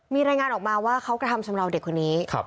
มีรายงานออกมาว่าเขากระทำชำราวเด็กคนนี้